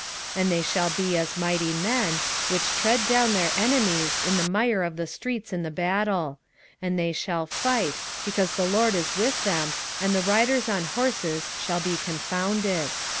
10:5 And they shall be as mighty men, which tread down their enemies in the mire of the streets in the battle: and they shall fight, because the LORD is with them, and the riders on horses shall be confounded.